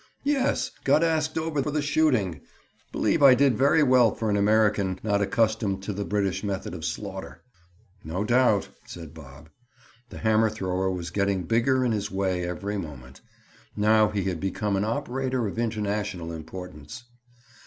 "Yes, got asked over for the shooting. Believe I did very well for an American not accustomed to the British method of slaughter." "No doubt," said Bob. The hammer thrower was getting bigger in his way every moment. Now he had become an operator of international importance.